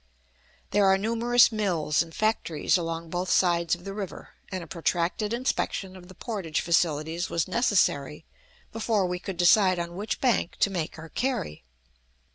There are numerous mills and factories along both sides of the river, and a protracted inspection of the portage facilities was necessary before we could decide on which bank to make our carry.